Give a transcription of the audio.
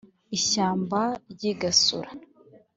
ishyamba ry’i gasura